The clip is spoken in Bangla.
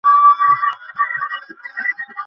ঈশ্বরই সত্য, জগৎ সত্য নয়।